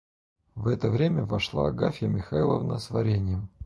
В это время вошла Агафья Михайловна с вареньем.